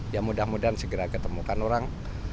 ya mudah mudahan segera ketemukan orang